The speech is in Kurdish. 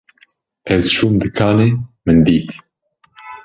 Ez çûm dikanê min dît